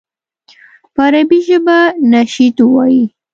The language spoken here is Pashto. په عربي ژبه نشید ووایي.